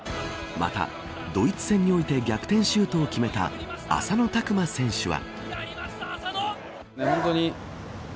またドイツ戦において逆転シュートを決めた浅野拓磨選手は。